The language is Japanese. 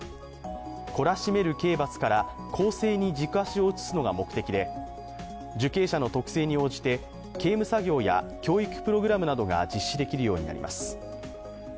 懲らしめる刑罰から更生に軸足を移すのが目的で、受刑者の特性に応じて刑務作業や教育プログラムなどが実施できるようになります。